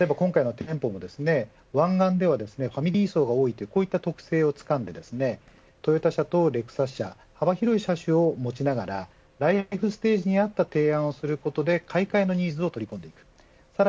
今回の店舗も湾岸ではファミリー層が多いという特性を掴んでトヨタ車とレクサス車幅広い車種を持ちながらライフステージに合った提案をすることで買い替えのニーズを取り込んでいく。